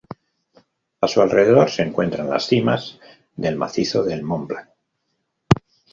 A su alrededor se encuentran las cimas del macizo del Mont Blanc.